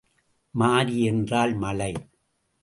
மாரி என்றால் மழை.